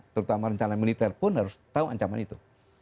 terutama rencana militer pun harus tahu ancaman itu